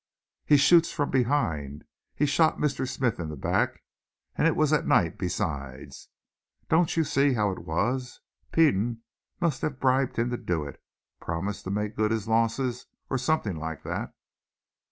"He shoots from behind, he shot Mr. Smith in the back, and it was at night, besides. Don't you see how it was? Peden must have bribed him to do it, promised to make good his losses, or something like that."